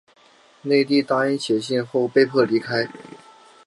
内蒂答应写信后被迫离开。